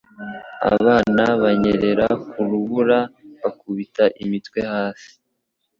Abana banyerera ku rubura bakubita imitwe hasi